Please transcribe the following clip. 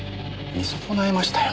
見損ないましたよ。